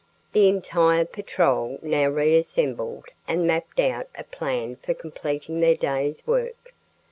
The entire patrol now reassembled and mapped out a plan for completing their day's work.